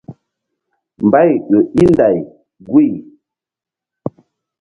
Mbay ƴo í nday guy.